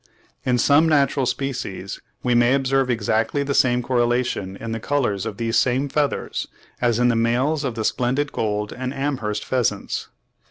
In some natural species we may observe exactly the same correlation in the colours of these same feathers, as in the males of the splendid Gold and Amherst pheasants.